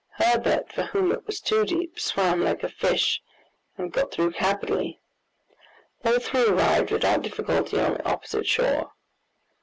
Herbert, for whom it was too deep, swam like a fish, and got through capitally. All three arrived without difficulty on the opposite shore.